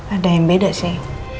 ada yang beda sih